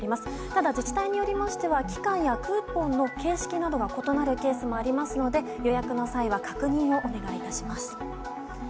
ただ自治体によりましては期間やクーポンの形式が異なるケースもありますので予約の際は確認をお願いいたします。